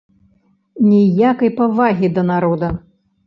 Ніякай павагі да народа!